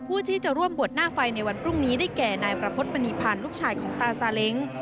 ผู้ที่จะร่วมบวชหน้าไฟในวันพรุ่งนี้ได้แก่นายประพฤติมณีพันธ์ลูกชายของตาซาเล้ง